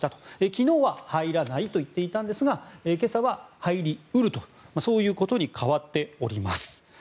昨日は入らないと言っていたんですが今朝は入り得るとそういうことに変わっています。